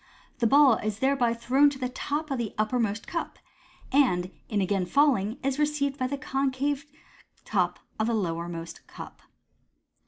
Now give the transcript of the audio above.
The ball is Fig i2 thereby thrown to the top of the uppermost cup, and, in again falling, is received by the concave top of the lowermost cup.